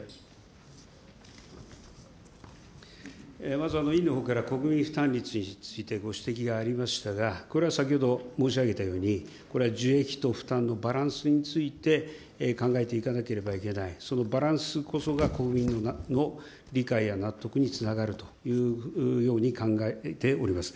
まずは委員のほうから国民負担率についてご指摘がありましたが、これは先ほど申し上げたように、これは受益と負担のバランスについて考えていかなければいけない、そのバランスこそが国民の理解や納得につながるというように考えております。